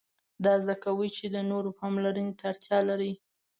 دا زده کوي چې د نورو پاملرنې ته اړتیا لري.